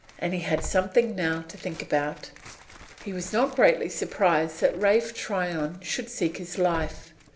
And he had something now to think about. He was not greatly surprised that Ralph Tryon should seek his life.